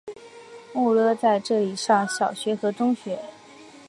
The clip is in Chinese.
穆勒在这里上小学和中学。